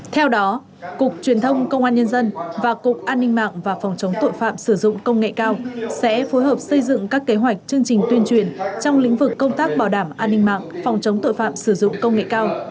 theo đó cục truyền thông công an nhân dân và cục an ninh mạng và phòng chống tội phạm sử dụng công nghệ cao sẽ phối hợp xây dựng các kế hoạch chương trình tuyên truyền trong lĩnh vực công tác bảo đảm an ninh mạng phòng chống tội phạm sử dụng công nghệ cao